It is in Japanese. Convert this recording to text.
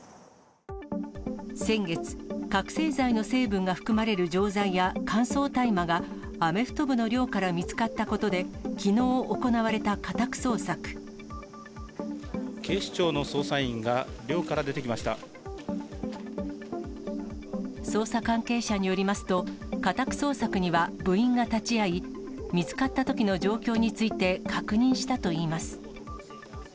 先月、覚醒剤の成分が含まれる錠剤や乾燥大麻が、アメフト部の寮から見つかったことで、警視庁の捜査員が寮から出て捜査関係者によりますと、家宅捜索には部員が立ち会い、見つかったときの状況について確認したといいます。